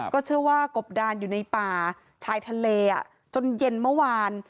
ก็เชื่อว่ากบดานอยู่ในป่าชายทะเลจนเย็นเมื่อวาน